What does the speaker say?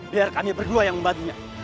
biar kami berdua yang membantunya